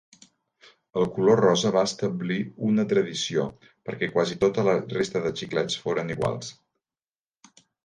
El color rosa va establir una tradició perquè quasi tota la resta de xiclets foren iguals.